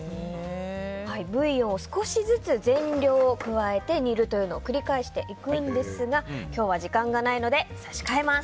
ブイヨンを少しずつ全量加えて煮るというのを繰り返していくんですが今日は時間がないので差し替えます。